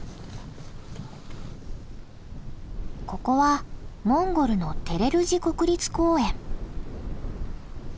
ここはモンゴルのテレルジ国立公園。